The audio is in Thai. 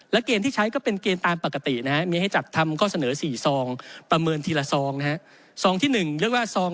และเกณฑ์ที่ใช้ก็เป็นเกณฑ์ตามปกตินะฮะมีให้จัดทำข้อเสนอ๔ซองประเมินทีละซองนะฮะ